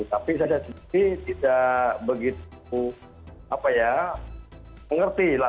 tapi saya tidak begitu apa ya mengerti lah